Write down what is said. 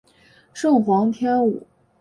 圣武天皇。